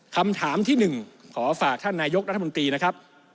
คำถามที่๑ขอฝากท่านนายกรัฐมนตรีนะครับ